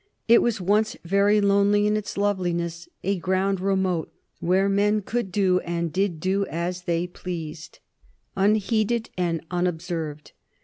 It was once very lonely in its loveliness, a ground remote, where men could do and did do as they pleased unheeded and unobserved.